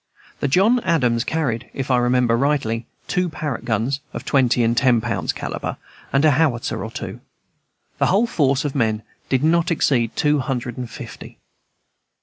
The John Adams carried, I if I remember rightly, two Parrott guns (of twenty and ten | pounds calibre) and a howitzer or two. The whole force of men did not exceed two hundred and fifty.